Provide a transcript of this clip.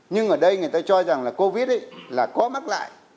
nhưng ở đây người ta cho rằng là covid là có mắc lại